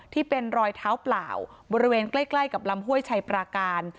ที่เป็นรอยเท้าเปล่าบริเวณใกล้กับลำห้วยชัยปราการ